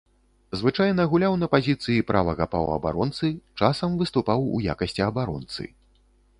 Звычайна гуляў на пазіцыі правага паўабаронцы, часам выступаў у якасці абаронцы.